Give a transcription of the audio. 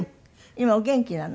今お元気なの？